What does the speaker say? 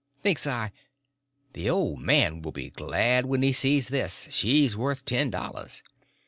Thinks I, the old man will be glad when he sees this—she's worth ten dollars.